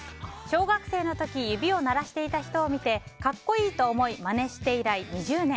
小学生の時指を鳴らしていた人を見て格好いいと思いまねして以来２０年。